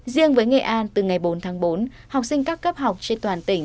riêng với nghệ an từ ngày bốn tháng bốn học sinh các cấp học trên toàn tỉnh